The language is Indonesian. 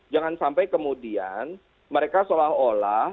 jangan sampai kemudian mereka seolah olah